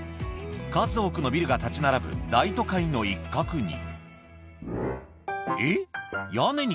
数多くのビルが建ち並ぶ大都会の一角に。